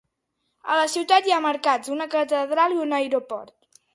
A la ciutat hi ha mercats, una catedral i un aeroport.